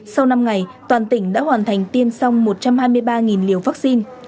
sau năm ngày toàn tỉnh đã hoàn thành tiên xong một trăm hai mươi ba liều vaccine